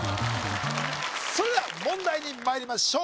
それでは問題にまいりましょう